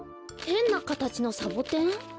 へんなかたちのサボテン？